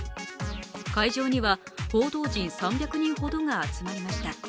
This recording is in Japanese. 会場には報道陣３００人ほどが集まりました。